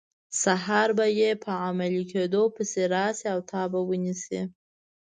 سهار به یې په عملي کیدو پسې راشي او تا به ونیسي.